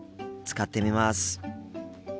使ってみます。